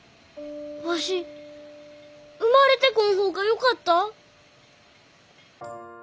わし生まれてこん方がよかった？